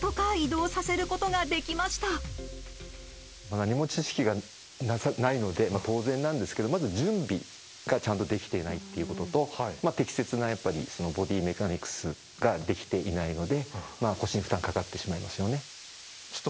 何も知識がないので当然なんですけどまず準備がちゃんとできてないっていうことと適切なボディメカニクスができていないので腰に負担かかってしまいますよね。